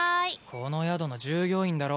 この宿の従業員だろ？